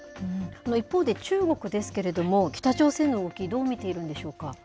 一方で中国ですけれども、北朝鮮の動き、どう見ているんでしょうか？